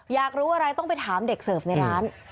อยากรู้อะไรต้องไปถามเด็กเสิร์ฟในร้าน